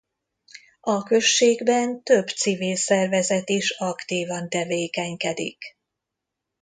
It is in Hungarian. A községben több civil szervezet is aktívan tevékenykedik.